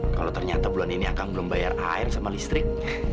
kalau ternyata bulan ini akan belum bayar air sama listrik